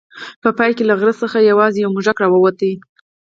په پای کې له غره څخه یوازې یو موږک راووت.